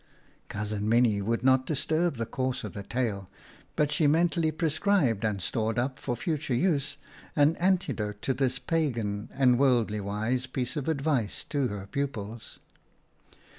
(Cousin Minnie would not disturb the course of the tale, but she mentally prescribed and stored up for future use an antidote to this pagan and wordly wise piece of advice to her pupils.)